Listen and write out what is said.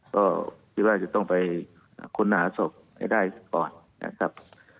ก็คิดว่าจะต้องไปค้นหาศพให้ได้ก่อนนะครับ